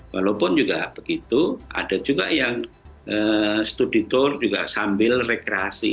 walaupun juga begitu ada juga yang studi tour juga sambil rekreasi